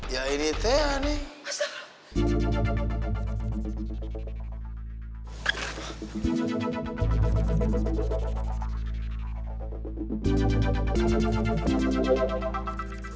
ya ini teh aneh